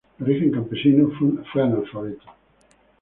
De origen campesino, fue un analfabeto.